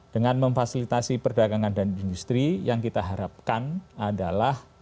dengan memfasilitasi perdagangan dan industri yang kita harapkan adalah